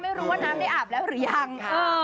ไม่รู้ว่าน้ำได้อาบแล้วหรือยัง